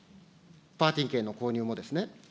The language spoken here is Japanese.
パーティー券の購入もですね。